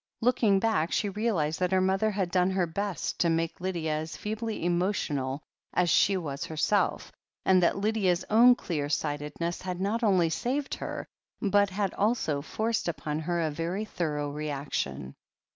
Looking back, she realized that her mother had done her best to make Lydia as feebly emotional as she was herself, and that Lydia's own clear sightedness had not only saved her, but had also forced upon her a very thorough reaction.